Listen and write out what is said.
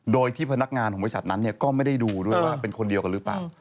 โดยที่พนักงานของบริษัทนั้นก็ไม่ได้ดูด้วยว่าเป็นคนเดียวกันหรือเปล่า